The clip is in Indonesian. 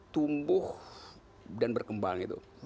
tumbuh dan berkembang